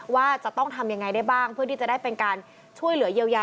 ว่าจะต้องทำยังไงได้บ้างเพื่อที่จะได้เป็นการช่วยเหลือเยียวยา